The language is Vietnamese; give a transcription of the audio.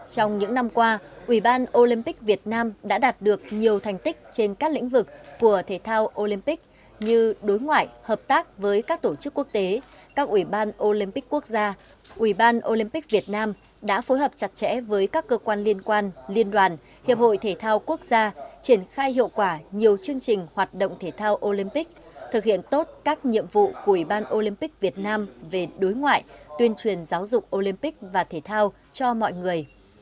trong những năm qua ubnd đã đạt được nhiều thành tích trên các lĩnh vực của thể thao olympic như đối ngoại hợp tác với các tổ chức quốc tế các ubnd ubnd việt nam đã phối hợp chặt chẽ với các cơ quan liên quan liên đoàn hiệp hội thể thao quốc gia triển khai hiệu quả nhiều chương trình hoạt động thể thao olympic thực hiện tốt các nhiệm vụ của ubnd việt nam về đối ngoại tuyên truyền giáo dục olympic và thể thao cho mọi người